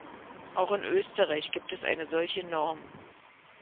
Auch in Österreich gibt es eine solche Norm.